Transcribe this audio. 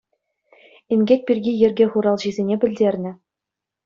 Инкек пирки йӗрке хуралҫисене пӗлтернӗ.